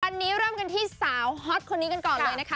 อันนี้เริ่มกันที่สาวฮอตคนนี้กันก่อนเลยนะคะ